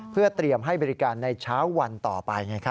เพื่อเตรียมให้บริการในเช้าวันต่อไป